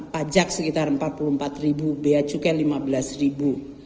pajak sekitar empat puluh empat ribu bea cukai lima belas ribu